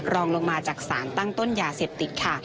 รองลงมาจากสารตั้งต้นยาเสพติดค่ะ